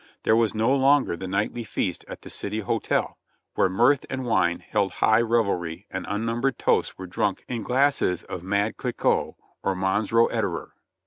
There was no longer the nightly feast at the "City Hotel," where mirth and wine held high revelry and unnumbered toasts were drunk in glasses of "Mad Cliquot" or "Mons. Roed erer."